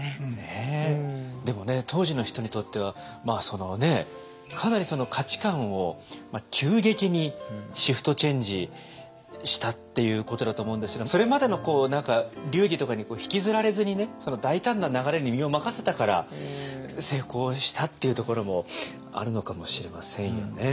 でもね当時の人にとってはまあそのねかなりその価値観を急激にシフトチェンジしたっていうことだと思うんですがそれまでの流儀とかに引きずられずにね大胆な流れに身を任せたから成功したっていうところもあるのかもしれませんよね。